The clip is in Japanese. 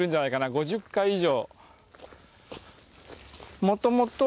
５０回以上。